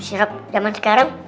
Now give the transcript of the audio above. sirop zaman sekarang